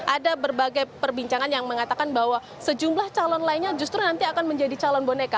ada berbagai perbincangan yang mengatakan bahwa sejumlah calon lainnya justru nanti akan menjadi calon boneka